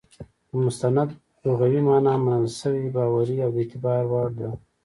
د مستند لغوي مانا منل سوى، باوري، او د اعتبار وړ ده.